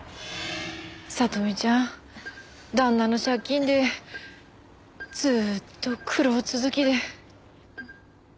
里美ちゃん旦那の借金でずっと苦労続きで。